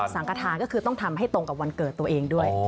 กระทาก็คือต้องทำให้ตรงกับวันเกิดตัวเองด้วย